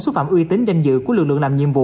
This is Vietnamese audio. xúc phạm uy tín danh dự của lực lượng làm nhiệm vụ